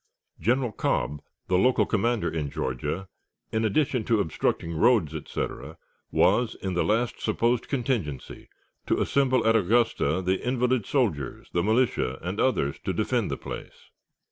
General Cobb, the local commander in Georgia, in addition to obstructing roads, etc., was, in the last supposed contingency, to assemble at Augusta the invalid soldiers, the militia, and others to defend the place.